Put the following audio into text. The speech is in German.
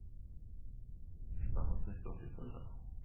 Spanne uns nicht so auf die Folter!